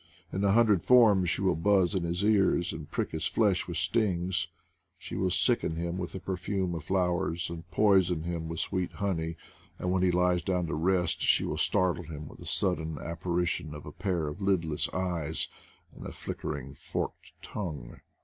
In a hundred forms she will buzz in his ears and prick his flesh with stings ; she will sicken him with the perfume of flowers, and poison him with sweet honey; and When he lies down to rest, she will startle him with the sudden apparition of a pair of lidless eyes and a flickering forked tongue.